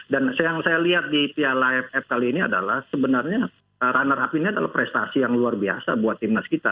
dan yang saya lihat di piala ff kali ini adalah sebenarnya runner up ini adalah prestasi yang luar biasa buat timnas kita